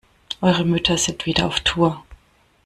Eure Mütter sind wieder auf Tour.